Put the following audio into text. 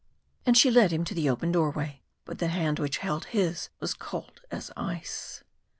And she led him to the open doorway, but the hand which held his was cold as ice.